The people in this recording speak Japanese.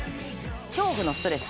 恐怖のストレス